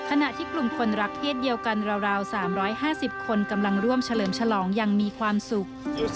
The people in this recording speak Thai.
ขณะที่กลุ่มคนรักเพศเดียวกันราว๓๕๐คนกำลังร่วมเฉลิมฉลองยังมีความสุข